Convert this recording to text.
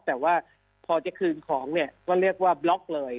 แต่ว่าพอจะคืนของเนี่ยก็เรียกว่าบล็อกเลย